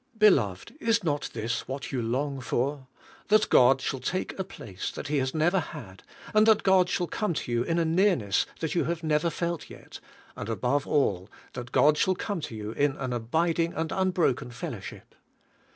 Beloved, is not this what you long for — that God shall take a place that He has never had; and that God shall come to you in a nearness that you have never felt yet; and, above ail, that God shall come to you in an abiding and unbroken fellow ship?